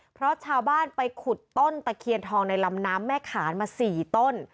เพราะชาวบ้านไปขุดต้นตะเคียนทองในลำน้ำแม่ขานมา๔ต้น